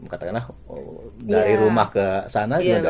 katakanlah dari rumah ke sana